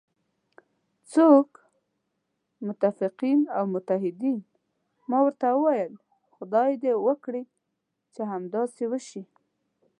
څوک؟ متفقین او متحدین، ما ورته وویل: خدای دې وکړي چې همداسې وشي.